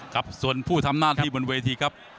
ครับส่วนผู้ทำหน้าที่บนเวทีครับ